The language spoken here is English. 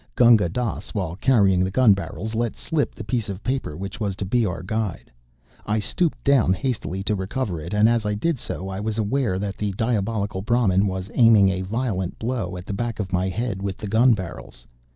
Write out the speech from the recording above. Gunga Dass, while carrying the gun barrels, let slip the piece of paper which was to be our guide. I stooped down hastily to recover it, and, as I did so, I was aware that the diabolical Brahmin was aiming a violent blow at the back of my head with the gun barrels.